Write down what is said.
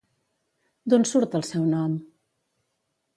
D'on surt el seu nom?